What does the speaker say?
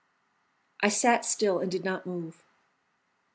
I sat still and did not move.